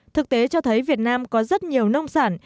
thực tế cho thấy việt nam có rất nhiều nông sản